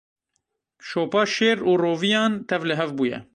Şopa şêr û roviyan tevlihev bûye.